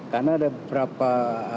karena ada beberapa